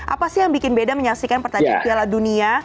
apa sih yang bikin beda menyaksikan pertandingan piala dunia